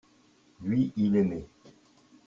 lui, il aimait.